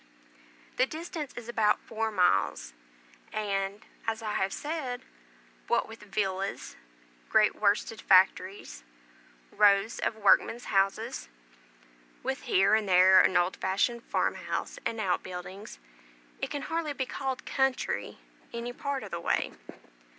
The distance is about four miles; and, as I have said, what with villas, great worsted factories, rows of workmen's houses, with here and there an old fashioned farmhouse and out buildings, it can hardly be called "country" any part of the way.